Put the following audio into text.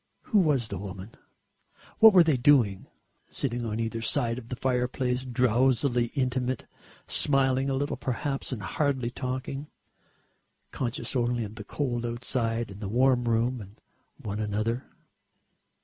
Who was the woman? What were they doing? Sitting on either side of the fireplace drowsily intimate, smiling a little perhaps and hardly talking, conscious only of the cold outside and the warm room and one another....